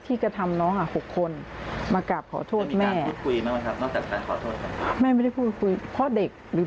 ที่กระทำน้อง๖คนมากราบขอโทษแม่ไม่ได้พูดคุยเพราะเด็กหรือ